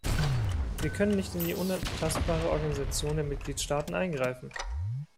Wir können nicht in die unantastbare Organisation der Mitgliedstaaten eingreifen.